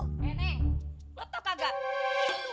neng lo tau gak